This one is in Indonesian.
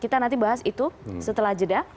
kita nanti bahas itu setelah jeda